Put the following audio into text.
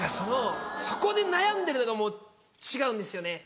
そこで悩んでるのがもう違うんですよね。